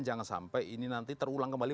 jangan sampai ini nanti terulang kembali